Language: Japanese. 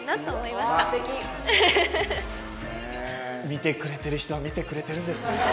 見てくれてる人は見てくれてるんですね。